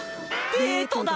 デートだ。